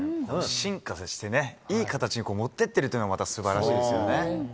進化さしてね、いい形に持ってってるというのが、またすばらしいですよね。